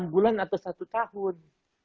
enam bulan atau satu tahun